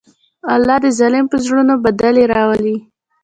الله د ظلم په زړونو بدلې راولي.